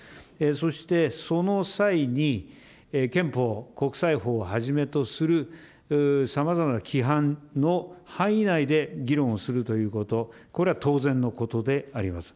そしてその際に、憲法、国際法をはじめとするさまざまな規範の範囲内で議論をするということ、これは当然のことであります。